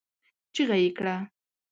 چيغه يې کړه!